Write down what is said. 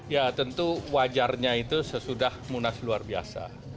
ya tentu wajarnya itu sesudah munas luar biasa